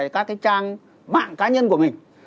các cái trang mạng cá nhân của mình